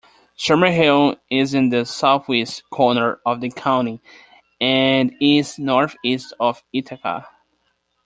Summerhill is in the southeast corner of the county and is northeast of Ithaca.